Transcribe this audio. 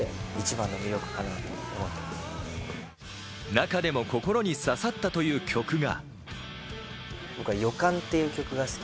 中でも心に刺さったという曲が。